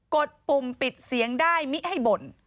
ดปุ่มปิดเสียงได้มิให้บ่น